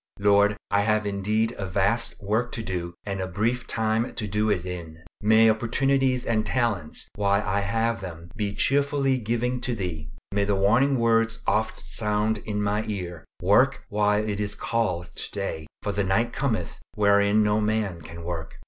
Lord! I have indeed a vast work to do and a brief time to do it in. May opportunities and talents, while I have them, be cheerfully given to Thee. May the warning words oft sound in my ear, "Work while it is called today, for the night cometh wherein no man can work."